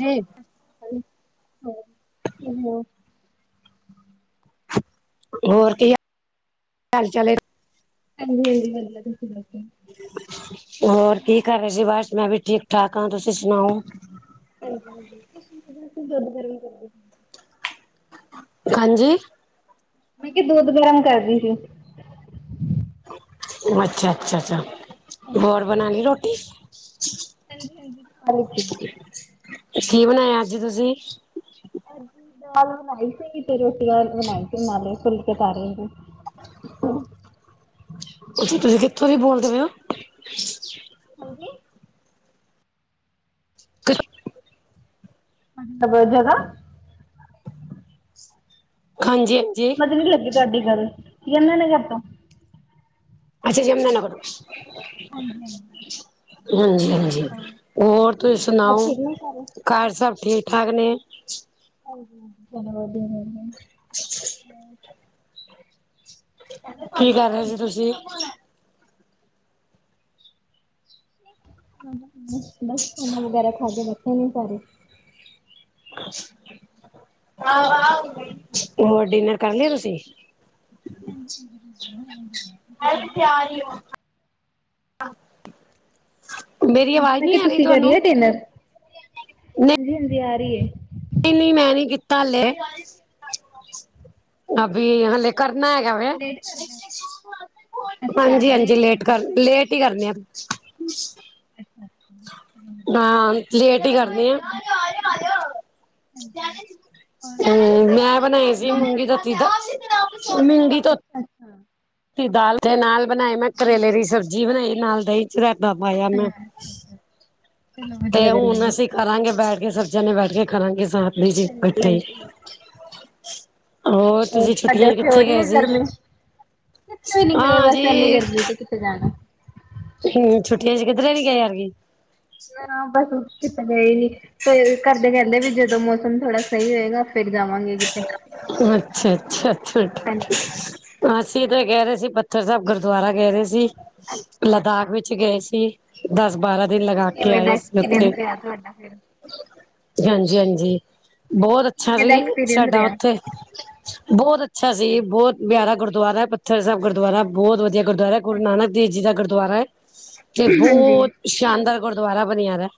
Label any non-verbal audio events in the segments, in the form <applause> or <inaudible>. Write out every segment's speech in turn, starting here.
ਜੀ। ਹਾਂ ਕਿਵੇਂ ਓ? ਹੋਰ ਕੀ ਹਾਲ ਚਾਲ ਏ।? ਹਾਂਜੀ- ਹਾਂਜੀ ਵਧੀਆ ਤੁਸੀ ਦੱਸੋ? ਹੋਰ ਕੀ ਕਰ ਰੇ ਸੀ, ਬਸ ਮੈਂ ਵੀ ਠੀਕ -ਠਾਕ ਆਂ ਤੁਸੀ ਸੁਨਾਓ? ਹਾਂਜੀ ਹਾਂਜੀ ਕੀਦੇ ਵਾਸਤੇ ਦੁੱਧ ਗਰਮ ਕਰਦੇ ਪਏ ਓ। ਹਾਂਜੀ। ਮੈਂ ਕੇਆ ਦੁੱਧ ਗਰਮ ਕਰਰੀ ਸੀ। ਓ ਅੱਛਾ, ਅੱਛਾ, ਅੱਛਾ। ਹੋਰ ਹਾਂਜੀ ਬਨਾਲੀ ਤੁਸੀਂ ਕੀ ਕਰ ਰੋਟੀ? ਰਹੇ ਹੋ? ਹਾਂਜੀ ਹਾਂਜੀ ਖਾ ਲਿੱਤੀ ਏ। ਕੀ ਬਨਾਏਆ ਅੱਜ ਤੁਸੀ? ਅੱਜ ਦਾਲ ਬਨਾਈ ਸੀ ਤੇ ਰੋਟੀਆਂ ਬਨਾਈ ਸੀ ਨਾਲੇ ਫੁਲਕੇ ਤਾਰੇ ਦੇ ਅੱਛਾ, ਤੁਸੀ ਕਿੱਥੋਂ ਦੀ ਬੋਲਦੇ ਪਏ ਓ? ਹੋਗੇ। <unintelligible> ਜਗਾ। ਹਾਂਜੀ। ਸਮਝ ਨੀ ਲੱਗੀ ਤਾਡੀ ਗਲ। ਯਮਨਾਨਗਰ ਤੋਂ। ਅਛਾ ਜਮੁਨਾ ਨਗਰੋਂ। ਹਾਂਜੀ, ਹਾਂਜੀ। ਹਾਂਜੀ ਹਾਂਜੀ। ਹੋਰ ਹੋਰ ਤੁਸੀ ਸਭ ਸੁਨਾਓ ਠੀਕ ਨੇ ਸਾਰੇ? ਘਰ ਸਭ ਠੀਕ-ਠਾਕ ਨੇ? ਹਾਂਜੀ, ਤਿੰਨ ਰੋਟੀਆਂ ਮਿਲ ਜਨ <unintelligible> <unintelligible> ਤੁਸੀਂ ਖਾ ਕੀ ਕਰ ਲਿਤੀ ਰੇ ਸੀ ਰੋਟੀ? ਤੁਸੀ? ਬਸ ਖਾਣਾ ਵਗੈਰਾ ਖਾ ਕੇ ਬੈਠੇ ਨੀ ਸਾਰੇ। ਹੋਰ ਡਿਨਰ ਕਰ ਲੇਆ ਤੁਸੀ? ਹਲੇ ਤੇਆਰ ਨੀਂ ਹੋ। ਆ ਮੇਰੀ ਹਾਂਜੀ ਆਵਾਜ਼ ਮੈਂ ਨਹੀਂ ਕੈ ਰਹੀ ਤੁਸੀ ਕਰ ਤੁਹਾਨੂੰ? ਲੇਆ ਡਿਨਰ? ਹਾਂਜੀ ਹਾਂਜੀ ਆ ਰੀ ਏ। ਨਈ ਨੀ ਮੈਂ ਨੀ ਕੀਤਾ ਹਲੇ। ਅਭੀ ਹਲੇ ਅੱਛਾ ਕਰਨਾ ਹੈਗਾ ਵੇ। ਹਾਂਜੀ ਹਾਂਜੀ ਲੇਟ ਕਰ ਲੇਟ ਈ ਕਰਨੇ ਆ। ਹਾਂ ਲੇਟ ਹੀ ਕਰਦੀ ਆਂ। ਹਾਂਜੀ ਮੈਂ ਬਣਾਈ ਸੀ ਮੂੰਗੀ ਧੋਤੀ ਦਾਲ ਮੂੰਗੀ ਧੋਤੀ ਹਾਂ ਦਾਲ ਦੇ ਨਾਲ ਬਣਾਈ ਮੈਂ ਕਰੇਲੇ ਦੀ ਸਬਜ਼ੀ ਬਣਾਈ ਨਾਲ ਦਹੀਂ ਰਾਏਤਾ ਪਾਇਆ ਮੈਂ, ਚਲੋ ਵਧੀਆ ਤੇ ਗੱਲ ਹੁਣ ਏ। ਅਸੀਂ ਕਰਾਂਗੇ ਬੈਠ ਕੇ ਸਭ ਜਣੇ ਬੈਠ ਕੇ ਖਾਲਾਗੇ ਸਾਥ ਜੇ ਇਕੱਠੇ ਹੋਰ ਤੁਸੀਂ ਤੁਹਾਡੇ ਛੁੱਟੀਆਂ 'ਚ ਉੱਥੇ ਹੋ ਕਿੱਥੇ ਰਹੀ ਗਏ ਹੈ ਸੀ? ਗਰਮੀ? ਕਿਤੇ ਵੀ ਨੀ ਗਏ, ਹਾਂ ਬਸ ਇੰਨੀ ਗਰਮੀ ਤੇ ਕਿੱਥੇ ਜਾਣਾ। ਹੁਣ ਛੁੱਟੀਆਂ 'ਚ ਕਿੱਧਰੇ ਨੀ ਗਏ ਐਤਕੀਂ ਹਾਂ ਬਸ ਕਿਤੇ ਗਏ ਨੀ, ਫੇਰ ਘਰਦੇ ਕਹਿੰਦੇ ਵੀ ਜਦੋਂ ਮੌਸਮ ਥੋੜਾ ਸਹੀ ਹੋਏਗਾ। ਫਿਰ ਜਾਵਾਂਗੇ ਕਿਤੇ। ਅੱਛਾ, ਅੱਛਾ, ਅੱਛਾ, ਹਾਂਜੀ ਅੱਛਾ ਅਸੀਂ ਤਾਂ ਗਏ ਰਹੇ ਸੀ, ਪੱਥਰ ਸਾਹਿਬ ਗੁਰਦੁਆਰਾ ਗਹਿ ਰਹੇ ਸੀ ਅੱਛਾ ਲੱਦਾਖ ਅੱਛਾ ਵਿੱਚ ਗਏ ਸੀ। ਦਸ - ਬਾਰਾਂ ਦਿਨ ਲਗਾ ਕੇ ਕਿਵੇਂ ਦਾ ਆਏ ਅਸੀਂ ਉੱਥੇ ਐਕਸਪੀਰੀਅੰਸ ਰਿਹਾ ਤੁਹਾਡਾ ਫਿਰ? ਹਾਂਜੀ, ਹਾਂਜੀ ਬਹੁਤ ਅੱਛਾ ਕਿਵੇਂ ਦਾ ਸੀ ਐਕਸਪੀਰੀੰਸ ਸਾਡਾ ਰਿਹਾ? ਉੱਥੇ ਬਹੁਤ ਅੱਛਾ ਸੀ, ਬਹੁਤ ਪਿਆਰਾ ਗੁਰਦੁਆਰਾ ਪੱਥਰ ਸਾਹਿਬ ਗੁਰਦੁਆਰਾ ਬਹੁਤ ਵਧੀਆ ਗੁਰਦੁਆਰਾ ਗੁਰੂ ਨਾਨਕ ਦੇਵ ਜੀ ਦਾ ਗੁਰਦੁਆਰਾ ਐ, ਤੇ ਹਾਂਜੀ ਬਹੁਤ ਸ਼ਾਨਦਾਰ ਗੁਰਦੁਆਰਾ ਬਣਿਆ ਦਾ ਐ,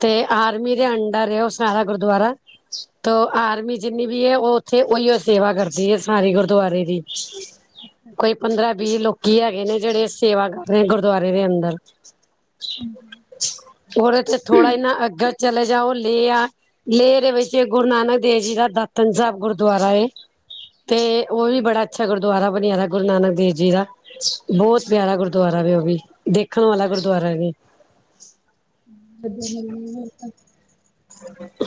ਤੇ ਆਰਮੀ ਦੇ ਅੰਡਰ ਏ ਉਸ ਸਾਰਾ ਗੁਰਦੁਆਰਾ, ਤੋ ਆਰਮੀ ਜਿੰਨੀ ਵੀ ਹੈ ਉਹ ਉੱਥੇ ਉਹੀਓ ਸੇਵਾ ਕਰਦੀ ਹੈ ਸਾਰੀ ਗੁਰਦੁਆਰੇ ਦੀ, ਕੋਈ ਪੰਦਰਾਂ ਵੀਹ ਲੋਕੀ ਹੈਗੇ ਨੇ ਜਿਹੜੇ ਸੇਵਾ ਕਰ ਰਹੇ ਨੇ ਗੁਰਦੁਆਰੇ ਦੇ ਅੰਦਰ ਉਹਦੇ 'ਚ ਥੋੜਾ ਇਹ ਨਾ ਅੱਗੇ ਚਲੇ ਜਾਓ, ਲੇਹ ਐ ਲੇਹ ਦੇ ਵਿੱਚ ਗੁਰੂ ਨਾਨਕ ਦੇਵ ਜੀ ਦਾ ਦਾਤਨ ਸਾਹਿਬ ਗੁਰਦੁਆਰਾ ਏ। ਤੇ ਉਹ ਵੀ ਬੜਾ ਅੱਛਾ ਗੁਰਦੁਆਰਾ ਬਣਿਆ ਦਾ, ਗੁਰੂ ਦੇਵ ਜੀ ਦਾ ਬਹੁਤ ਪਿਆਰਾ ਗੁਰਦੁਆਰਾ ਵੇ ਉਹੀ ਵੀ, ਦੇਖਣ ਵਾਲਾ ਗੁਰਦੁਵਆਰਾ ਵੇ ਵਧੀਆ ਵਧੀਆ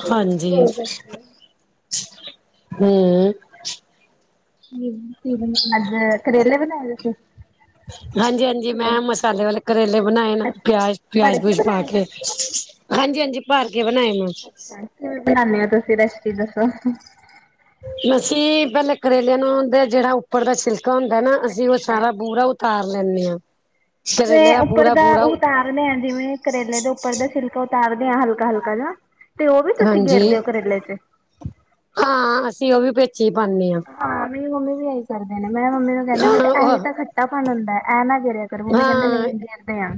ਹਾਂਜੀ ਹੂ। ਅੱਜ ਕਰੇਲੇ ਬਣਾ ਰਹੇ ਸੀ ਹਾਂਜੀ ਹਾਂਜੀ ਮੈਂ ਮਸਾਲੇ ਵਾਲੇ ਕਰੇਲੇ ਬਣਾਏ ਨ ਅੱਛਾ ਪਿਆਜ ਭਰ ਪਿਉਜ਼ ਪਾ ਬਣਾਏ ਕੇ ਹਾਂਜੀ ਹਾਂਜੀ ਭਰ ਕੇ ਬਣਾਏ ਮੈਂ ਅੱਛਾ ਕਿਵੇਂ ਬਣਾਉਣੇ ਤੁਸੀਂ ਰੈਸਪੀ ਦੱਸੋ? ਅਸੀਂ ਪਹਿਲੇ ਕਰੇਲਿਆਂ ਨੂੰ ਜਿਹੜਾ ਉੱਪਰ ਦਾ ਛਿਲਕਾ ਹੁੰਦਾ ਨਾ ਅਸੀਂ ਉਹ ਅੱਛਾ ਸਾਰਾ ਬੂਰਾ ਉਤਾਰ ਲੈਂਨੇ ਆਂ। ਉੱਪਰ ਦਾ ਉਤਾਰਨਾ ਆ, ਜਿਵੇਂ ਕਰੇਲੇ ਦੇ ਉੱਪਰ ਦਾ ਸਿਲਕ ਉਤਾਰਦੇ ਹਾਂ ਹਲਕਾ ਹਲਕਾ ਜੇਆ, ਤੇ ਉਹ ਵੀ ਤੁਸੀਂ ਹਾਂਜੀ ਗੇਰਦੇ ਹੋ ਕਰੇਲੇ ਤੇ ਹਾਂ ਅਸੀਂ ਉਹ ਵੀ ਵਿੱਚ ਹੀ ਪਾਣੇ ਆਂ। ਹਾਂ ਮੇਰੀ ਮੰਮੀ ਵੀ ਇਹੀ ਕਰਦੇ ਨੇ, ਮੈਂ ਮੰਮੀ ਨੂੰ ਕਹਿੰਦੇ ਮੈਂ ਹਾਂ ਕਿਹਾ ਉਹ ਇਹੀ ਤਾਂ ਖੱਟਾਪਣ ਹੁੰਦਾ ਇਹ ਨਾ ਜੇ ਕਰ ਮੰਮੀ ਕਹਿੰਦੇ ਨਈ ਗੇਰਦੇ ਆਂ।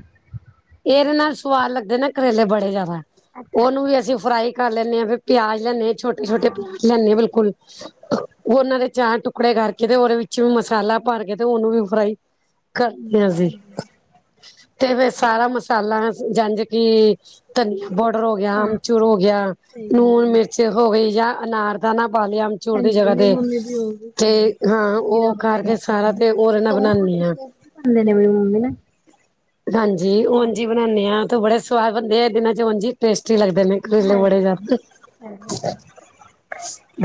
ਏਦੇ ਨਾਲ ਸਵਾਦ ਲੱਗਦੇ ਨਾ ਕਰੇਲੇ ਬੜੇ ਜ਼ਿਆਦਾ, ਅੱਛਾ ਉਹਨੂੰ ਵੀ ਅਸੀਂ ਫਰਾਈ ਕਰ ਲੈਂਨੇ ਆਂ ਫਿਰ ਪਿਆਜ ਲੈਨੇ ਆ ਛੋਟੇ ਛੋਟੇ ਪਿਆਜ ਲੈਨੇ ਆ ਬਿਲਕੁਲ <inaudible> ਉਹਨਾਂ ਦੇ ਚਾਰ ਟੁਕੜੇ ਕਰਕੇ, ਤੇ ਉਹਦੇ ਵਿੱਚ ਵੀ ਮਸਾਲਾ ਭਰ ਕੇ ਤੇ ਉਹਨੂੰ ਵੀ ਫਰਾਈ ਕਰਦੇ ਆ ਅਸੀ, ਤੇ ਫਿਰ ਸਾਰਾ ਮਸਾਲਾ ਜੰਡ ਈ ਧਨ ਬੋਡਰ ਹੋ ਗਿਆ ਹਾਂ ਅਮਚੂਰ ਹੋ ਹਾਂਜੀ ਗਿਆ, ਸਹੀ ਗੱਲ ਹੈ। ਨੂਨ ਮਿਰਚ ਚਕੋਬੀਜਾ ਅਨਾਰ ਦਾਣਾ ਪਾ ਲਿਆ ਚੂਰ ਦੀ ਹਾਂਜੀ ਜਗ੍ਹਾ ਮੇਰੀ ਤੇ, ਮੰਮੀ ਵੀ ਉਹ ਵੀ ਤੇ ਪਾਉਂਦੀ ਹਾਂ ਜੀਰਾ ਉਹ ਵਗੈਰਾ ਕਰਕੇ ਸਾਰਾ ਤੇ ਉਹਦੇ ਨਾਲ ਬਣਾਨੀ ਆ ਹੁੰਦੇ ਨੇ ਵੀ ਮੰਮੀ ਨਾ ਹਾਂਜੀ ਉਝ ਈ ਹਾਂਜੀ ਬਣਾਨੇ ਆ ਤੂੰ ਬੜੇ ਸਵਾਦ ਬਣਦੇ ਆ ਇਹ ਦਿਨਾਂ ਚ ਉਸ ਈ ਟੇਸਟੀ ਲੱਗਦੇ ਨੇ ਕਰੇਲੇ ਬੜੇ ਹਾਂਜੀ ਜਾਦੇ, ਹਾਂਜੀ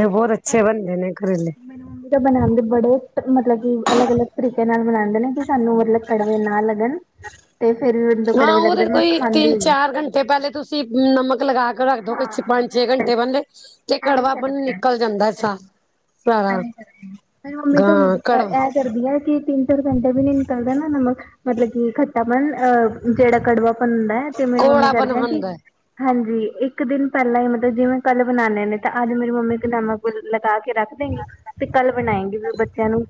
ਬਹੁਤ ਬਸ ਅੱਛੇ ਬਣਦੇ ਨੇ ਕਰੇਲੇ ਮੈਨੂੰ ਬਣਾਦੇ ਬੜੇ ਮਤਲਬ ਕਿ ਅਲੱਗ-ਅਲੱਗ ਤਰੀਕੇ ਨਾਲ ਬਨਾਦੇ ਨੇ ਕਿ ਸਾਨੂੰ ਮਤਲਬ ਕੜਵੇ ਨਾ ਲੱਗਣ। <inaudible> ਤੇ ਫੇਰ ਮੈਨੂੰ ਹਾਂ ਕੜਵੇ ਉਹਦੇ ਲੱਗਦੇ ਮੈਂ ਕੋਈ ਤਿੰਨ ਖਾਂਦੀ ਨੀ ਚਾਰ ਘੰਟੇ ਪਹਿਲੇ ਤੁਸੀਂ ਤੁਸੀਂ ਨਮਕ ਲਗਾ ਕੇ ਰੱਖਦੋ ਹਾਂ ਕੁੱਛ ਪੰਜ ਛੇ ਘੰਟੇ ਪਹਿੰਲੇ ਤੇ ਐਵੇਂ ਕੜਵਾ ਪਾਣੀ ਨਿਕਲ ਜਾਂਦਾ ਸਾਹ ਐ ਕਰਨਾ, ਮੈਂਰੀ ਮੰਮੀ ਤੋਂ ਕੜਵਾ ਇਹ ਕਰਦੀ ਆ ਕਿ ਤਿੰ ਤੇ ਸਾਡੇ ਵੀ ਨੀ ਨਿਕਲਦਾ ਨਾ ਨਮਕ ਨਾ ਮਤਲਬ ਕੀ ਖੱਚ ਪ ਅਹ ਜਿਹੜਾ ਕੜਵਾਪਣ ਹੁੰਦਾ ਐ ਤੇ ਮੇਰੀ ਮੰਮੀ ਕੋੜਾਪਨ ਕਰਦੇ ਆ ਕਿ ਹੁੰਦਾ ਹਾਂਜੀ ਇੱਕ ਦਿਨ ਪਹਿਲਾਂ ਈ ਮਤਲਬ ਜਿਵੇਂ ਕੱਲ੍ਹ ਬਣਾਨੇ ਨੇ ਤਾਂ ਅੱਜ ਮੇਰੀ ਮੰਮੀ ਇੱਕ ਨਮਕ ਲਗਾ ਕੇ ਰੱਖ ਤੇ ਕੱਲ ਬਣਾਏਗੀ ਫੇਰ ਬੱਚਿਆਂ ਨੂੰ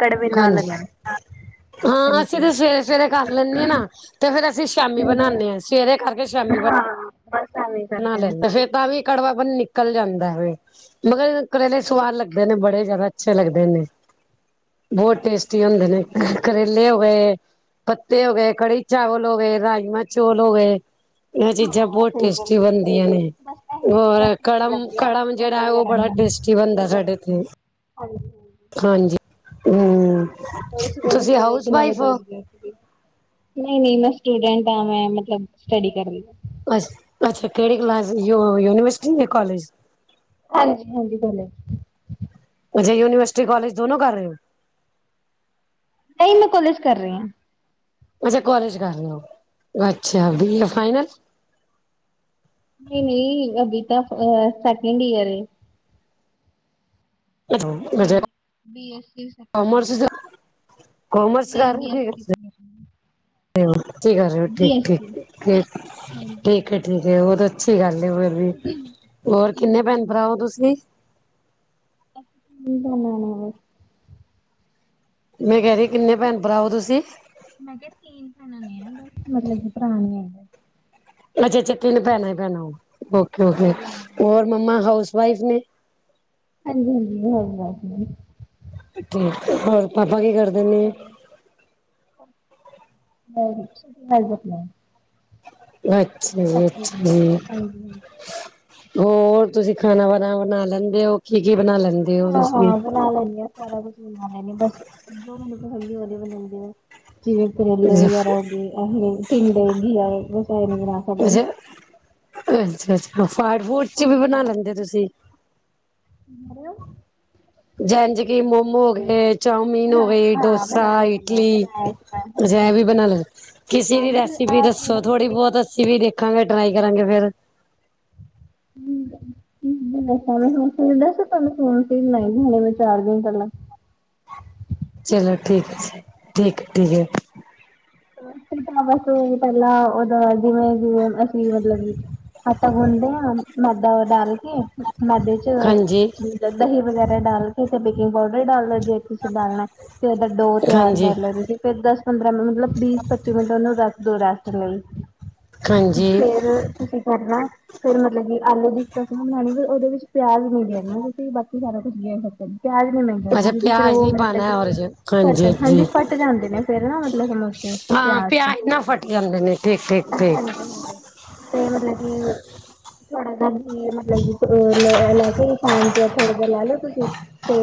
ਕੜਵੇ ਨਾ ਹਾਂਜੀ ਲੱਗਣ। ਹਾਂ ਅਸੀਂ ਹਾਂਜੀ। ਤਾਂ ਸਵੇਰੇ ਸਵੇਰੇ ਕਰ ਲੈਂਦੇ ਆ ਨਾ ਤੇ ਫੇਰ ਅਸੀਂ ਸ਼ਾਮੀ ਬਣਾਨੇ ਆ ਸਵੇਰੇ ਕਰਕੇ ਸ਼ਾਮੀ ਬ ਹਾਂ ਬਸ ਐਵੇਂ ਨਾਲ ਕਰਦੇ ਨੇ ਲੈਂਦੇ ਸਾਰੇ। ਫੇਰ ਤਾਂ ਵੀ ਕੜਵਾ ਨਿਕਲ ਜਾਂਦਾ ਫਿਰ ਮਗਰ ਕਰੇਲੇ ਸੁਵਾਦ ਲੱਗਦੇ ਨੇ ਬੜੇ ਜ਼ਿਆਦਾ ਅੱਛੇ ਲੱਗਦੇ ਨੇ ਬਹੁਤ ਟੇਸਟੀ ਹੁੰਦੇ ਨੇ ਕਰੇਲੇ ਹੋ, ਪੱਤੇ ਹੋ ਗਏ। ਕੜੀ ਚਾਵਲ ਹੋ ਗਏ, ਰਾਜਮਾਂ ਚੋਲ ਹੋ ਗਏ, ਇਹ ਚੀਜ਼ਾਂ ਹਾਂ ਬੋਤ ਸਹੀ ਟੇਸਟੀ ਗੱਲ ਹੈ ਬਣਦੀਆਂ ਨੇ ਹੋਰ ਕੜਮ-ਕੜਮ ਜਿਹੜਾ ਉਹ ਬੜਾ ਟੇਸਟੀ ਬਣਦਾ ਸਾਡੇ ਇੱਥੇ ਹਾਂਜੀ। ਹਾਂਜੀ ਹੂੰ, ਸਵੇਰੇ-ਸਵੇਰੇ ਕਿੰਨੇ ਵਜੇ ਉਠਦੇ ਓ? ਨਹੀਂ-ਨਹੀਂ ਮੈਂ ਸਟੂਡੈਂਟ ਹਾਂ ਮੈਂ ਮਤਲਬ ਸਟੱਡੀ ਕਰਦੀ। ਅ ਅੱਛਾ ਕਿਹੜੀ ਕਲਾਸ ਯੂਨੀਵਰਸਿਟੀ ਜਾਂ ਕਾਲਜ ਹਾਂਜੀ-ਹਾਂਜੀ ਕੌਲੇਜ। ਅੱਛਾ, ਯੂਨੀਵਰਸਿਟੀ ਕਾਲਜ ਦੋਨੋ ਕਰ ਰਹੇ ਔ? ਨਹੀਂ, ਮੈਂ ਕੋਲੇਜ ਕਰ ਰੀ ਆ। ਅੱਛਾ, ਕੋਲੇਜ ਕਰ ਰਹੇ ਔ, ਅੱਛਾ ਬੀ ਏ ਫਾਇਨਲ। ਨਈ-ਨਈ ਅਭੀ ਤਾਂ ਸੈਕਿੰਡ ਈਅਰ ਏ। ਬੀ ਅੱਛਾ B S C second commerce commerce ਨਹੀਂ ਜੀ ਅਸੀਂ <unintelligible> ਗੱਲ ਠੀਕ-ਠੀਕ ਠੀ ਠੀਕ-ਠੀਕ, ਉਹ ਤਾਂ ਅੱਛੀ ਗੱਲ ਐ। ਹੋਰ ਵੀ, ਹੋਰ ਕਿੰਨੇ ਭੈਣ ਭਰਾਓ ਔ ਤੁਸੀਂ? <inaudible> ਮੈਂ ਕਹਿ ਰੀ ਕਿੰਨੇ ਭੈਣ ਭਰਾਓ ਔ ਤੁਸੀਂ? ਮੈਂ ਕਿਹਾ ਤਿੰਨ ਭੈਣਾਂ ਨੇ ਬਸ ਮਤਲਬ ਕਿ ਭਰਾ ਨੀ ਹੈਗਾ। ਅੱਛਾ-ਅੱਛਾ, ਤਿੰਨ ਭੈਣਾਂ ਈ ਭੈਣਾਂ ਓਕੇ ਓਕੇ ਹੋਰ ਮੰਮਾ ਹਾਊਸ ਵਾਈਫ ਨੇ। ਹਾਂਜੀ-ਹਾਂਜੀ ਹਾਉਸ ਵਾਈਫ ਨੇ। ਠੀਕ, ਹੋਰ ਪਾਪਾ ਕੀ ਕਰਦੇ ਨੇ। <unintelligible> ਅੱਛਾ ਜੀ, ਅੱਛਾ ਜੀ। ਹੋਰ ਤੁਸੀਂ ਖਾਨਾ-ਵਾਨਾ ਬਨਾ ਲੈਂਦੇ ਹੋ ਕੀ-ਕੀ ਬਨਾ ਲੈਂਦੇ? ਹੋ ਤੁਸੀਂ? ਹਾਂ-ਹਾਂ ਬਨਾ ਲੈਂਨੀ ਹਾਂ, ਸਾਰਾ ਕੁਛ ਬਣਾ ਲੈਨੀ ਆ ਬਸ ਜੋ ਮੈਨੂੰ ਪਸੰਦ ਉਹਦੀ ਬਣਾਦੀ ਆ। ਜਿਵੇਂ ਕਰੇਲੇ ਅੱਛਾ ਵਗੈਰਾ ਹੋ ਗਏ, ਅ ਟਿੰਡੇ ਘੀਆ ਰਸਾਇਣਿਕਾ ਅੱਛਾ-ਅੱਛਾ, ਅੱਛਾ ਫਾਸਟ ਫੂਡ ਚ ਵੀ ਬਣਾ ਲੈਂਦੇ ਓ ਤੁਸੀਂ? <unintelligible> ਜੈਨਜ ਕਿ ਮੋਮੋ ਹੋ ਗਏ ਚੋਮੀਨ ਹੋ ਹਾਂ ਗਏ, ਹਾਂ ਬਣਾ ਡੋਸਾ, ਲੈਂਦੀ ਹਾਂ ਇਡਲੀ, ਬਣਾਇਆ ਸੀ ਮੈਂ ਅਛਾ ਹਾਂਜੀ ਐ ਵੀ ਹਾਂਜੀ ਬਣਾ ਲੈ। ਕਿਸੇ ਹਾਂ ਦੀ ਮਤਲਬ ਰੈਸਪੀ ਆ ਦੱਸੋ ਥੋੜਾ ਥੋੜ੍ਹੀ ਜਿਹੜੀ ਬਹੁਤ ਅਸੀਂ ਵੀ ਦੇਖਾਂਗੇ ਟਰਾਈ ਕਰਾਂਗੇ ਫੇਰ <unintelligible> ਚਾਰ ਦਿਨ ਪਹਿਲਾਂ। ਚਲੋ ਠੀਕ ਹੈ, ਠੀਕ-ਠੀਕ ਹੈ। ਤਾਂ ਬਸ ਪਹਿਲਾਂ ਉਹਦਾ ਜਿਵੇਂ-ਜਿਵੇਂ ਅਸੀਂ ਮਤਲਬ ਕਿ ਆਟਾ ਗੁੰਨਦੇ ਆ, ਮੈਦਾ ਓ ਡਾਲ ਕੇ ਮੈਦੇ ਚ ਹਾਂਜੀ ਦੁ ਦਹੀਂ ਵਗੈਰਾ ਡਾਲ ਕੇ ਤੇ ਬੇਕਿੰਗ ਪਾਊਡਰ ਡਾਲ ਲੋ ਜੇ। ਤੁਸੀਂ ਡਾਲਣਾ ਤੇ ਉਹਦਾ ਡੋ ਤਿਆਰ ਹਾਂਜੀ ਕਰ ਲਓ, ਤੁਸੀਂ ਫੇਰ ਦਸ ਪੰਦਰਾਂ ਮਿੰਟ ਮਤਲਬ ਬੀਸ ਪੱਚੀ ਮਿੰਟ ਉਹਨੂੰ ਰੱਖ ਦੋ ਰੈਸਟ ਲਈ, ਹਾਂਜੀ ਫੇਰ ਤੁਸੀਂ ਕਰਨਾ ਫਿਰ ਮਤਲਬ ਕਿ ਆਲੂ ਦੀ ਸਟਫਿੰਗ ਬਣਾਉਣੀ ਵੇ ਉਹਦੇ ਵਿੱਚ ਪਿਆਜ਼ ਨੀ ਗੇਰਨਾ ਨਾ ਤੁਸੀਂ ਬਾਕੀ ਸਾਰਾ ਕੁੱਝ ਗੇਰ ਸਕਦੇ ਔ ਪਿਆਜ ਨੀ <unintelligible> ਹਾਂਜੀ ਅੱਛਾ ਦੀਦੀ, ਫਿਰ ਪਿਆਜ ਉਹ ਨੀ ਮਤਲਬ ਕਿ ਪਾਣਾ ਔਰ ਫੱਟ ਹਾਂਜੀ ਹਾਂਜੀ, ਫੱਟ ਜਾਂਦੇ ਨੇ ਫੇਰ ਨਾ ਮਤਲਬ ਸਮੋਸੇ ਹਾਂ ਪਿਆਜ ਨਾਲ ਫਟ ਜਾਂਦੇ ਨੇ, ਠੀਕ- ਠੀਕ ਠੀਕ। ਫੇਰ ਤੇ ਮਤਲਬ ਕੀ <unintelligible> ਮਤਲਬ ਕੀ। ਉਹ ਲੈ ਕੇ ਰਿਫਾਇਨ ਥੋੜਾ ਜਿਹਾ ਲੈ ਲੋ ਤੁਸੀਂ 'ਤੇ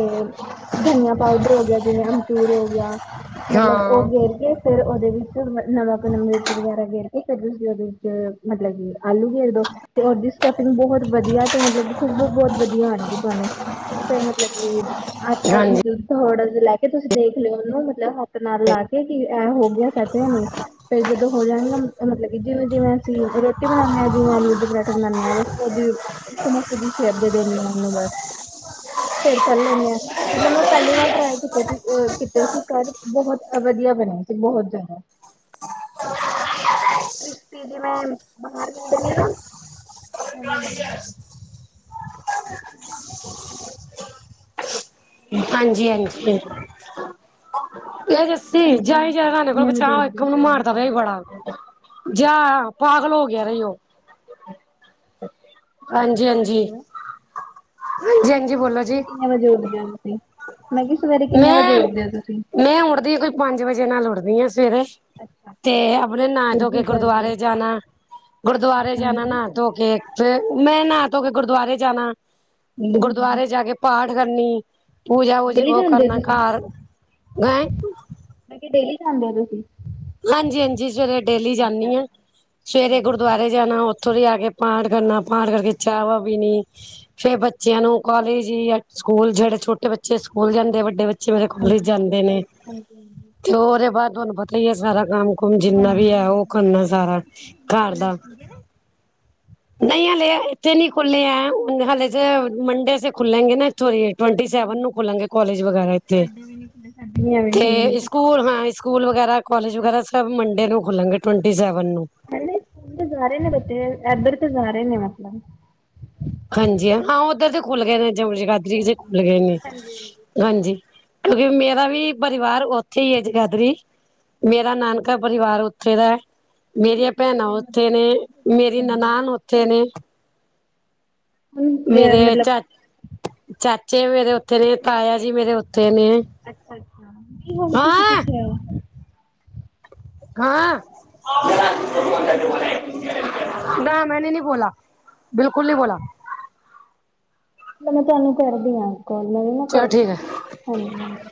ਧਨੀਆ ਪਾਊਡਰ ਹੋ ਗਿਆ, ਜਿਵੇਂ ਅਮਚੂਰ ਹੋ ਗਿਆ ਮਤਲਬ ਉਹ ਹਾਂ, ਗੇਰ ਕੇ ਫੇਰ ਉਹਦੇ ਵਿੱਚ ਨਵਾਂ ਨਮਕ, ਮਿਰਚ ਵਗੈਰਾ ਗੇਰ ਕੇ ਫੇਰ ਤੁਸੀਂ ਉਹਦੇ ਵਿੱਚ ਮਤਲਬ ਕਿ ਆਲੂ ਗੇਰ ਦੋ ਤੇ ਉਹਦੀ ਸਟਫਿੰਗ ਬਹੁਤ ਵਦੀਆ ਤੇ ਮਤਲਬ ਖੁਸ਼ਬੂ ਬਹੁਤ ਵਦੀਆ ਆਣਗੇ ਤੁਹਾਨੂੰ ਫਿਰ ਮਤਲਬ ਕਿ ਹਾਂਜੀ, ਆਟਾ ਮਤਲਬ ਥੋੜਾ ਜਿਆ ਲੈ ਕੇ ਤੁਸੀਂ ਦੇਖ ਲਿਓ, ਉਹਨੂੰ ਮਤਲਬ ਹੱਥ ਨਾਲ ਲਾ ਕੇ ਐ ਹੋ ਗਿਆ। ਸਤਿਆਂ ਨੂੰ ਤੇ ਹੋ ਜਾਨਗੀਆਂ ਮਤਲਬ ਕਿ ਜਿਵੇਂ-ਜਿਵੇਂ ਅਸੀਂ ਰੋਟੀ ਬਨਾਨੇ ਹਾਂ। ਜਿਵੇਂ ਆਲੂ ਦੇ ਪਰਾਂਠੇ ਬਨਾਨੇ ਬੱਸ ਉਹਦੀ ਸਮੋਸੇ ਦੀ ਸ਼ੇਪ ਦੇ ਦੇਣੀ ਆ ਓਹਨੂੰ ਬੱਸ ਫੇਰ ਤਲ ਲੈਂਨੇ ਆ ਮਤਲਬ ਮੈਂ ਪਹਿਲੀ ਵਾਰ ਟ੍ਰਾਈ ਕੀਤੇ ਸੀ, ਕੀਤੇ ਸੀ ਘਰ ਬਹੁਤ ਵਦੀਆ ਬਨੇ ਬਹੁਤ ਜਿਆਦਾ ਕ੍ਰਿਸਪੀ ਜਿਵੇੈਂ ਬਾਹਰ ਮਿਲਦੇ ਨੇ ਨਾ ਓਵੇਂ ਬਨੇ ਹਾਂਜੀ-ਹਾਂਜੀ। ਸੀ ਜਾ ਈ ਜ ਰਾਨੇ ਕੋਲ ਕਿੰਨੇ ਵਜੇ ਬੱਚਾ ਉੱਠਦੇ ਇੱਕ ਹੋ ਉਹਨੂੰ ਸਵੇਰੇ ਮਾਰਦਾ ਪਿਆ ਹੀ ਬੜਾ ਜਾ ਪਾਗਲ ਹੋ ਗਿਆ ਦਾ ਈ ਉਹ ਹਾਂਜੀ-ਹਾਂਜੀ। ਕਿੰਨੇ ਵਜੇ ਉੱਠਦੇ ਹੋ ਤੁਸੀਂ, ਮੈਂ ਕੀ ਸਵੇਰੇ ਕਿੰਨੇ ਵਜੇ ਮੈਂ ਉੱਠਦੇ ਹੋ ਤੁਸੀਂ ਮੈਂ ਉੱਠਦੀ ਕੋਈ ਪੰਜ ਵਜੇ ਨਾਲ ਉੱਠਦੀ ਹਾਂ। ਸਵੇਰੇ ਤੇ ਆਪਨੇ ਨਾਹ ਧੋ ਕੇ ਗੁਰਦੁਆਰੇ ਜਾਨਾ ਗੁਰਦੁਆਰੇ ਜਾਨਾ ਨਾਹ ਧੋ ਕੇ ਫਿਰ ਮੈਂ ਨਾ ਧੋ ਕੇ ਗੁਰਦੁਆਰੇ ਜਾਨਾ, ਗੁਰਦੁਆਰੇ ਜਾ ਕੇ ਪਾਠ ਕਰਨੀ ਪੂਜਾ ਊਜਾ ਉਹ ਕਰਨਾ ਘਰ, ਗਏ। ਮੈਂ ਕਿਹਾ ਡੇਲੀ ਜਾਂਦੇ ਓ ਤੁਸੀਂ? ਹਾਂਜੀ-ਹਾਂਜੀ ਸਵੇਰੇ ਡੇਲੀ ਅੱਛਾ ਜਾਨੀ ਆ। ਸਵੇਰੇ ਗੁਰਦੁਆਰੇ ਜਾਣਾ ਉੱਥੋਂ ਦੀ ਆ ਕੇ ਪਾਠ ਕਰਨਾ, ਪਾਠ ਕਰਕੇ ਚਾਹ ਵਾ ਪੀਣੀ। ਫ਼ਿਰ ਬੱਚਿਆਂ ਨੂੰ ਕਾਲਜ ਜਾਂ ਸਕੂਲ ਜਿਹੜੇ ਛੋਟੇ ਬੱਚੇ ਸਕੂਲ ਜਾਂਦੇ ਵੱਡੇ ਬੱਚੇ ਚੇ ਮੇਰੇ ਹਾਂਜੀ ਕੋਲਜ ਜਾਂਦੇ ਨੇ ਹਾਂਜੀ ਹਾਂਜੀ। ਤੇ ਉਹਦੇ ਬਾਅਦ ਤੁਹਾਨੂੰ ਪਤਾ ਈ ਏ ਸਾਰਾ ਕੰਮ ਹੁਕਮ ਜਿੰਨਾ ਵੀ ਆ ਉਹ ਕਰਨਾ ਸਾਰਾ, ਘਰ ਦਾ। ਨਹੀਂ ਹਲੇ ਇੱਥੇ ਨੀ ਖੁੱਲੇ ਹੈ ਹਲੇ ਤੇ ਮੰਡੇ ਸੇ ਖੁੱਲੇਗੇ ਨਾ। <unintelligible> ਟਵੰਟੀ ਸੈਵਨ ਨੂੰ ਖੁੱਲਣਗੇ ਕਾਲਜ ਵਗੈਰਾ ਇੱਥੇ, ਵੀ ਐਵੇਂ ਖੁੱਲੇ ਨੇ ਤੇ ਸਕੂਲ ਹਾਂ ਸਕੂਲ ਵਗੈਰਾ ਕੋਲਿਜ ਵਗੈਰਾ ਸਭ ਮੰਡੇ ਨੂੰ ਖੁੱਲਣਗੇ ਟਵੰਟੀ ਸੈਵਨ ਨੂੰ। ਤਾਂ ਜਾ ਰਹੇ ਨੇ ਬੱਚੇ ਇੱਧਰ ਤਾਂ ਜਾ ਰਹੇ ਨੇ ਮਤਲਬ ਹਾਂਜੀ ਹਾਂ ਉੱਧਰ ਤੇ ਖੁੱਲ ਗਏ ਨੇ <unintelligible> ਗਾਦਰੀ 'ਚ ਖੁੱਲ ਗਏ ਨੇ। ਹਾਂਜੀ ਕਿਉਂਕਿ ਮੇਰਾ ਵੀ ਪਰਿਵਾਰ ਉੱਥੇ ਈ ਏ ਜਗਾਦਰੀ, ਮੇਰਾ ਨਾਨਕਾ ਪਰਿਵਾਰ ਉੱਥੇ ਦਾ, ਮੇਰੀਆਂ ਭੈਣਾਂ ਉੱਥੇ ਨੇ, ਮੇਰੀ ਨਨਾਣ ਉੱਥੇ ਨੇ। ਹੁਣ ਮੇਰੇ ਮਤਲਬ ਚਾ, ਚਾਚੇ ਮੇਰੇ ਉੱਥੇ ਨੇ ਤਾਇਆ ਜੀ ਮੇਰੇ ਉੱਥੇ ਨੇ। ਅੱਛਾ-ਅੱਛਾ ਕੀ ਹੁਣ ਤੁਸੀ ਹਾਂ। ਕਿਥੇ? ਹਾਂ, ਨਾ ਮੈਂਨੇ ਨੀ ਬੋਲਾ। ਬਿਲਕੁਲ ਨੀ ਬੋਲਾ। ਮੈਂ ਤੁਹਾਨੂੰ ਕਰਦੀ ਆ ਕੋਲ ਮੈਂ ਵੀ ਮੈਂ ਚਲੋ ਕੋਲ, ਠੀਕ ਹੈ। ਹਾਂਜੀ-ਹਾਜੀ।